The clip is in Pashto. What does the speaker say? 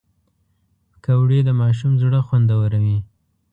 پکورې د ماشوم زړه خوندوروي